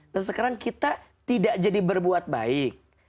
nah sekarang kita tidak jadi berbuat baik